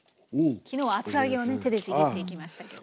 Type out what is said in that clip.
きのうは厚揚げを手でちぎっていきました。